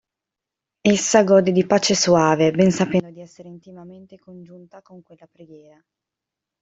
Essa gode di pace soave, ben sapendo di essere intimamente congiunta con quella preghiera.